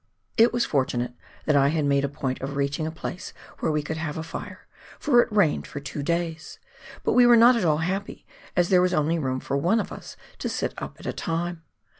It was fortunate that I had made a point of reaching a place where we could have a fire, for it rained for two days ; but we were not at all happy, as there was only room for one of us to sit up at a time